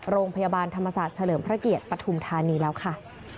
โรงพยาบาลธรรมศาสตร์เฉลิมพระเกียรติปฐุมธานีแล้วค่ะ